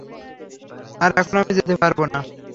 আর এখন আমি যেতে পারব না।